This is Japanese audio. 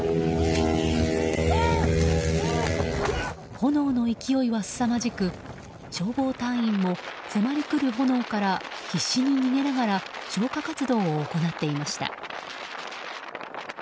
炎の勢いはすさまじく消防隊員も迫りくる炎から必死に逃げながら消火活動を行っていました。